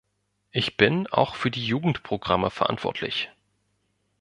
Ich bin auch für die Jugendprogramme verantwortlich.